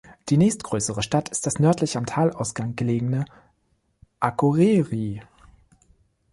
Die nächstgrößere Stadt ist das nördlich am Talausgang gelegene Akureyri.